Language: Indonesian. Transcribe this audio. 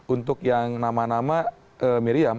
untuk yang nama nama miriam